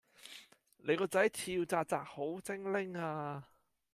你個仔跳紥紥好精靈呀